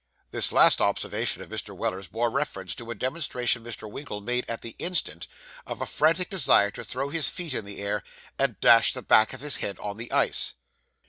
This last observation of Mr. Weller's bore reference to a demonstration Mr. Winkle made at the instant, of a frantic desire to throw his feet in the air, and dash the back of his head on the ice.